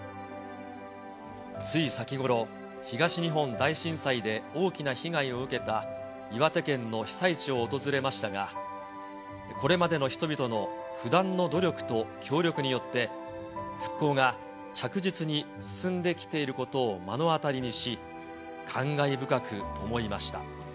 つい先ごろ、東日本大震災で大きな被害を受けた岩手県の被災地を訪れましたが、これまでの人々の不断の努力と協力によって、復興が着実に進んできていることを目の当たりにし、感慨深く思いました。